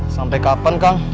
sampai kapan kak